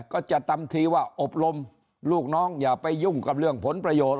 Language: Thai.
ก็จะทำทีว่าอบรมลูกน้องอย่าไปยุ่งกับเรื่องผลประโยชน์